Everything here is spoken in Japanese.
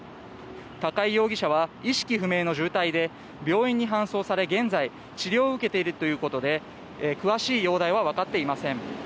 高井容疑者は意識不明の重体で病院に搬送され現在、治療を受けているということで詳しい容体はわかっていません。